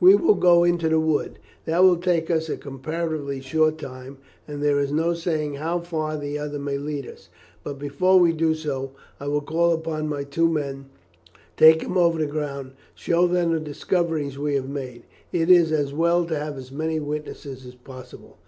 "We will go into the wood; that will take us a comparatively short time, and there is no saying how far the other may lead us. But, before we do so, I will call up my two men, take them over the ground, and show them the discoveries we have made. It is as well to have as many witnesses as possible."